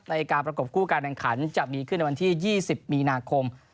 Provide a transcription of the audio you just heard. ในการประกบคู่การแข่งขันจะมีขึ้นในวันที่๒๐มีนาคม